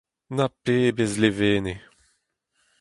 Na pebezh levenez !